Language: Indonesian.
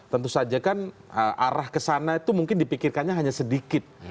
tentu saja kan arah kesana itu mungkin dipikirkannya hanya sedikit